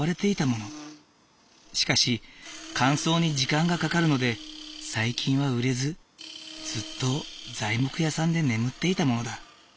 しかし乾燥に時間がかかるので最近は売れずずっと材木屋さんで眠っていたものだ。